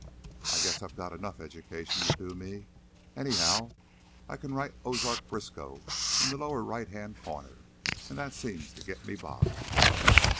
I guess I've got enough education to do me; anyhow, I can write Ozark Briskow in the lower right hand corner and that seems to get me by."